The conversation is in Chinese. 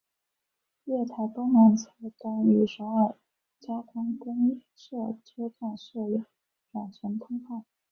月台东南侧端与首尔交通公社车站设有转乘通道。